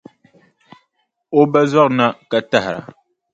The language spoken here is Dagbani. O ba zɔrina ka tahira.